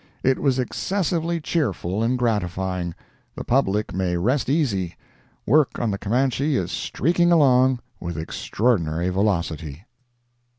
It was excessively cheerful and gratifying. The public may rest easy—work on the Camanche is streaking along with extraordinary velocity.